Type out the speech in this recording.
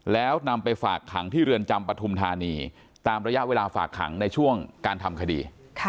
แล้วนำไปฝากขังที่เรือนจำปฐุมธานีตามระยะเวลาฝากขังในช่วงการทำคดี